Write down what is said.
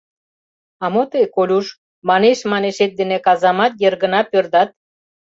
— А мо тый, Колюш, манеш-манешет дене казамат йыр гына пӧрдат?